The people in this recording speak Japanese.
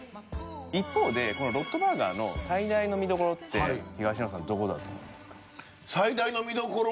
一方でこのロットバーガーの最大の見どころって東野さんどこだと思いますか？